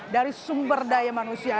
dari sumber daya manusia